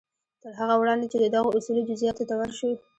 تر هغه وړاندې چې د دغو اصولو جزياتو ته ورشو.